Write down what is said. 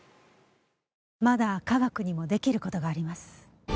まだ科学にもできることがあります。